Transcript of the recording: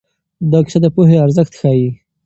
دا کیسه د پوهې ارزښت ښيي.